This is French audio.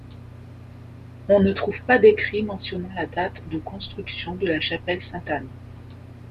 On ne trouve pas d’écrit mentionnant la date de construction de la chapelle Sainte-Anne.